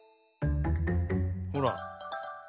ほら。